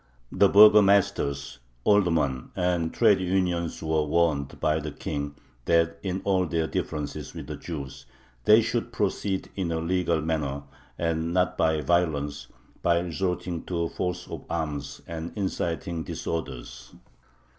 The burgomasters, aldermen, and trade unions were warned by the King that in all their differences with Jews "they should proceed in a legal manner, and not by violence, by resorting to force of arms and inciting disorders."